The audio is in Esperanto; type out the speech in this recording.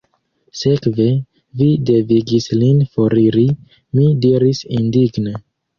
Sekve, vi devigis lin foriri, mi diris indigne.